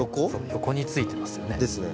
横についてますよね。